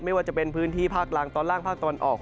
ไม่ว่าจะเป็นพื้นที่ภาคล่างตอนล่างภาคตะวันออก